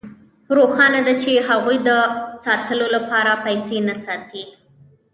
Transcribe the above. روښانه ده چې هغوی د ساتلو لپاره پیسې نه ساتي